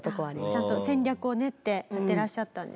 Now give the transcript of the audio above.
ちゃんと戦略を練ってやってらっしゃったんですね。